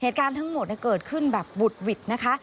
เหตุการณ์ทั้งหมดเกิดขึ้นแบบบุดหวิดนะคะ